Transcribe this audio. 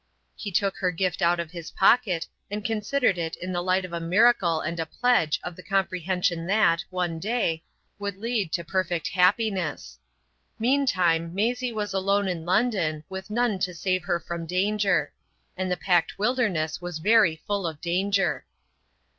He took her gift out of his pocket, and considered it in the light of a miracle and a pledge of the comprehension that, one day, would lead to perfect happiness. Meantime, Maisie was alone in London, with none to save her from danger. And the packed wilderness was very full of danger.